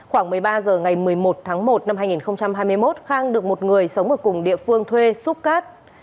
khoảng một mươi ba h ngày một mươi một tháng một năm hai nghìn hai mươi một khang được một người sống ở cùng địa phương thuê xúc cát